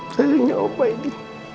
sayangnya om baidi